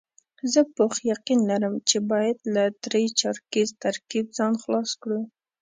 زه پوخ یقین لرم چې باید له درې چارکیز ترکیب ځان خلاص کړو.